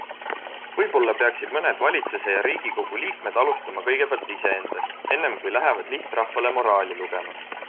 Võib-olla peaksid mõned valitsuse ja riigikogu liikmed alustama kõigepealt iseendast, ennem kui lähevad lihtrahvale moraali lugema.